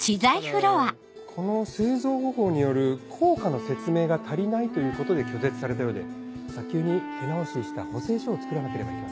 ただこの製造方法による効果の説明が足りないということで拒絶されたようで早急に手直しした補正書を作らなければいけません。